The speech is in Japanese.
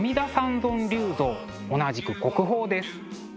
同じく国宝です。